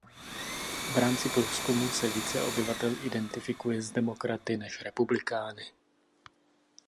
V rámci průzkumů se více obyvatel identifikuje s demokraty než republikány.